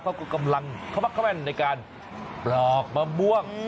เขากำลังเข้ามาเข้าแม่นในการบอกมะม่วง